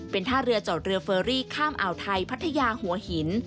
เป็นท่าเรือจอดเรือเฟอรี่ข้ามอ่าวไทยพัทยาหัวหิน